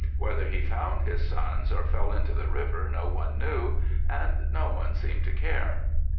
Whether he found his sons or fell into the river no one knew, and no one seemed to care.